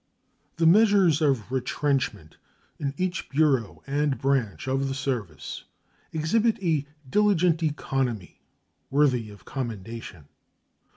The measures of retrenchment in each bureau and branch of the service exhibit a diligent economy worthy of commendation.